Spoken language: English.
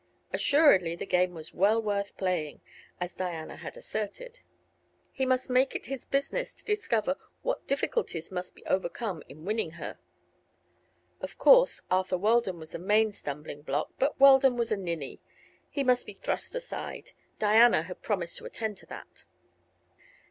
Assuredly the game was well worth playing, as Diana had asserted. He must make it his business to discover what difficulties must be overcome in winning her. Of course Arthur Weldon was the main stumbling block; but Weldon was a ninny; he must be thrust aside; Diana had promised to attend to that.